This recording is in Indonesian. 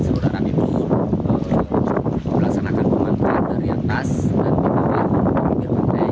seluruh darat itu melaksanakan pemantai dari atas dan di bagian pinggir pantai